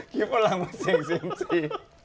คิดว่าฝรั่งเป็นเซงซ์สี